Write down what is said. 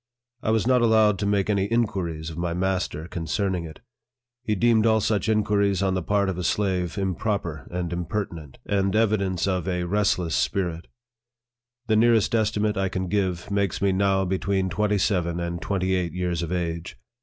I was not allowed to make any inquiries of my master con cerning it. He deemed all such inquiries on the part of a slave improper and impertinent, and evidence of 1 2 NARRATIVE OF THE a restless spirit. The nearest estimate I can give makes me now between twenty seven and twenty eight years of age.